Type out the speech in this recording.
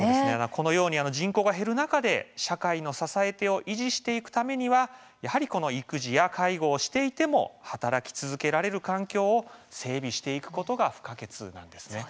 このように人口が減る中で社会の支え手を維持するためには育児や介護をしていても働き続けられる環境を整備していくことが不可欠なわけです。